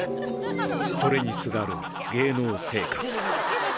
それにすがる芸能生活。